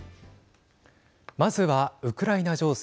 まずは、ウクライナ情勢。